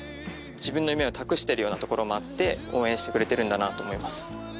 自分の夢を託してるようなところもあって応援してくれてるんだなと思います。